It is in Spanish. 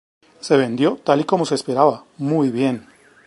Se vendió, tal y como se esperaba, muy bien.